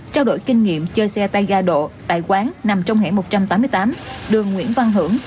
trao đổi kinh nghiệm chơi xe tay ga độ tại quán nằm trong hẻm một trăm tám mươi tám đường nguyễn văn hưởng